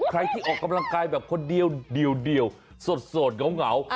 ใครที่ออกกำลังกายแบบคนเดียวเดี่ยวสดเหงา